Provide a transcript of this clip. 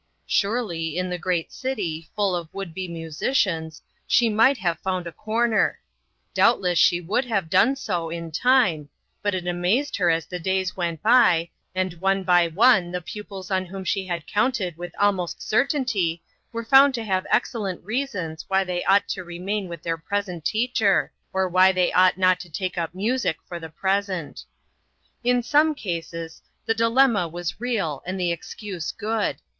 Surely, in the great city, full of would be musicians, she might have found a corner ! Doubtless she would have done so in time, but it amazed her as the days went by, and one by one the pupils on whom she had counted with almost certainty were found to have excellent reasons why they ought to remain with their present teacher, or why they ought not to take up music for the present. In some cases the dilemma was real and the excuse good.